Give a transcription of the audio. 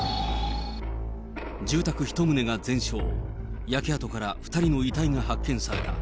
住宅１棟が全焼、焼け跡から２人の遺体が発見された。